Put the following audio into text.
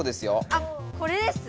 あっこれです。